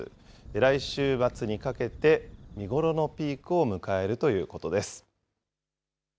来週末にかけて、見頃のピークを迎えるということです。